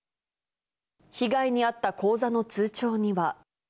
被害に遭った口座の通帳には。